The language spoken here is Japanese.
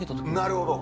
なるほど。